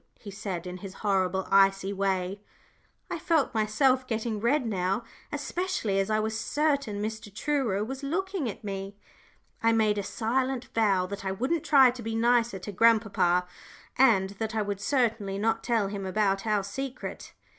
he said, in his horrible, icy way. I felt myself getting red now, especially as I was certain Mr. Truro was looking at me. I made a silent vow that I wouldn't try to be nicer to grandpapa, and that I would certainly not tell him about our secret.